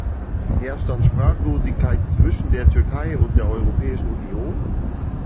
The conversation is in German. Herrscht dann Sprachlosigkeit zwischen der Türkei und der Europäischen Union?